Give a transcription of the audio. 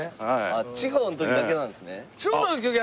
地方の時だけなんですね。